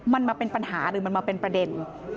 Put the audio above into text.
มันมาเป็นปัญหาหรือมันมาเป็นประเด็น